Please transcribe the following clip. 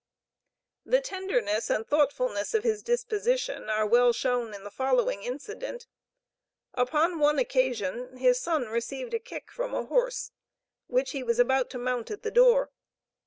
The tenderness and thoughtfulness of his disposition are well shown in the following incident: Upon one occasion, his son received a kick from a horse, which he was about to mount at the door.